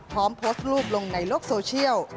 พร้อมโพสต์รูปลงในโลกโซเชียล